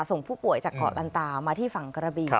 ส่งผู้ป่วยจากเกาะลันตามาที่ฝั่งกระบี